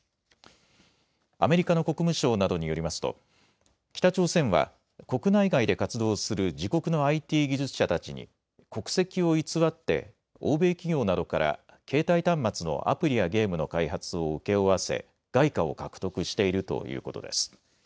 アメリカの国務省などによりますと北朝鮮は国内外で活動する自国のＩＴ技術者たちに国籍を偽って欧米企業などから携帯端末のアプリやゲームの開発を請け負わせ外貨を獲得しているということです。